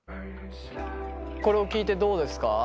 これを聞いてどうですか？